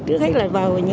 trước hết là vào